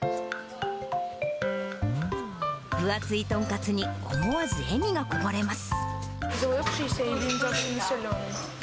分厚い豚カツに思わず笑みがこぼれます。